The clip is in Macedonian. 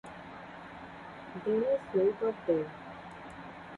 Повикајте и неколку живи поети, можеби и доктор, поп и полицаец.